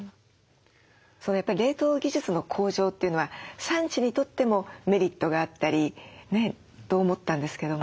やっぱり冷凍技術の向上というのは産地にとってもメリットがあったりねと思ったんですけども。